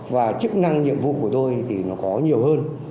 và chức năng nhiệm vụ của tôi thì nó có nhiều hơn